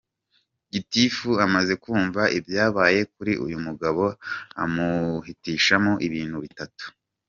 Gitifu amaze kumva ibyabaye kuri uyu mugabo, amuhitishamo ibintu bitatu :.